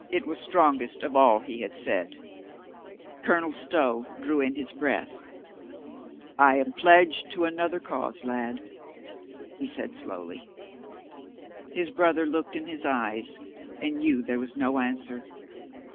It was strongest of all he had said. Colonel Stow drew in his breath. "I am pledged to another cause, lad," he said slowly. His brother looked In his eyes and knew there was no answer.